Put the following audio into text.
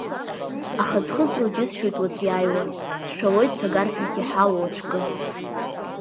Аха ӡхыҵроу џьысшьоит уаҵә иааиуа, сшәалоит сагарҳәагь иҳалоу аҿкы.